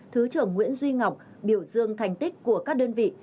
thứ trưởng nguyễn duy ngọc biểu dương thành tích của các đơn vị